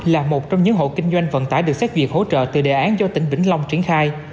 là một trong những hộ kinh doanh vận tải được xét duyệt hỗ trợ từ đề án do tỉnh vĩnh long triển khai